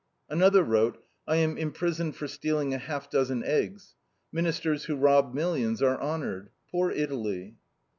Another wrote: "I am imprisoned for stealing a half dozen eggs. Ministers who rob millions are honored. Poor Italy!"